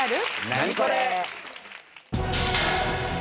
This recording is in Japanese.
ナニコレ！